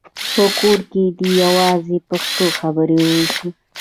په کور کې دې یوازې پښتو خبرې وشي.